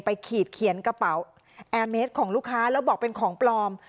ขีดเขียนกระเป๋าแอร์เมสของลูกค้าแล้วบอกเป็นของปลอม